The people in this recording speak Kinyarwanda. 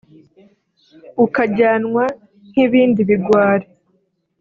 ukajyanwa nk’ibindi bigwari”